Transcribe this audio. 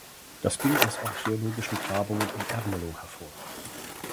Das ging aus archäologischen Grabungen in Ermelo hervor.